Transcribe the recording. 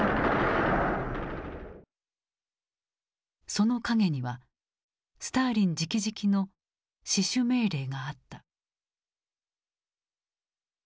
その陰にはスターリンじきじきの「死守命令」があった。